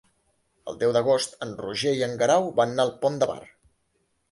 El deu d'agost en Roger i en Guerau van al Pont de Bar.